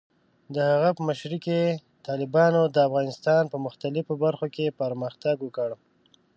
د هغه په مشرۍ کې، طالبانو د افغانستان په مختلفو برخو کې پرمختګ وکړ.